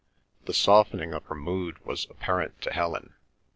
The softening of her mood was apparent to Helen.